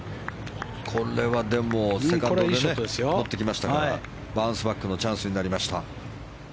これはセカンドで乗ってきましたからバウンスバックのチャンスになりました。